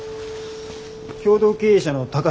共同経営者の高橋だっけ？